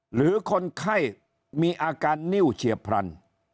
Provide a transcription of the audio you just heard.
หรือคนไข้มีอาการนิ้วเฉียบพลัน